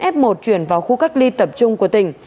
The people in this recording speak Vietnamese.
f một chuyển vào khu cách ly tập trung của tỉnh